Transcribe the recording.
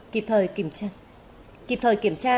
kịp thời kiểm tra